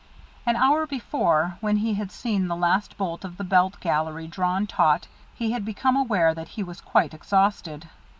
An hour before, when he had seen the last bolt of the belt gallery drawn taut, he had become aware that he was quite exhausted.